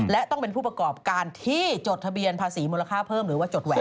และต้องเป็นผู้ประกอบการที่จดทะเบียนภาษีมูลค่าเพิ่มหรือว่าจดแหวน